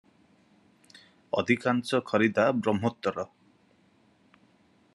ଅଧିକାଂଶ ଖରିଦା ବ୍ରହ୍ମୋତ୍ତର ।